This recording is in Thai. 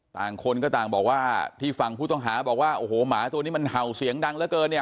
ต่างคนก็ต่างบอกว่าที่ฝั่งผู้ต้องหาบอกว่าโอ้โหหมาตัวนี้มันเห่าเสียงดังเหลือเกินเนี่ย